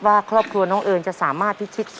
ว่าครอบครัวน้องเอิญจะสามารถพิชิต